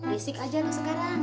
risik aja lu sekarang